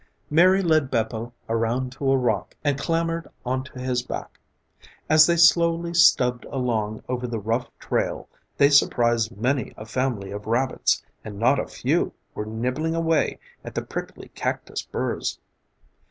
Mary led Bepo around to a rock and clambered onto his back. As they slowly stubbed along over the rough trail they surprised many a family of rabbits and not a few were nibbling away at the prickly cactus burrs.